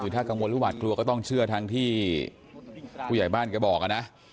ถ้ากังวลหรือหวาดกลัวก็ต้องเชื่อทางที่ผู้ใหญ่บ้านแกบอกนะ